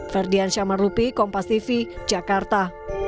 ferdian syamarupi kompas tv jakarta